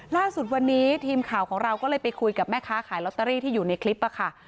ล่าสุดวันนี้ทีมข่าวของเราก็เลยไปคุยกับแม่ค้าขายลอตเตอรี่ที่อยู่ในคลิปค่ะ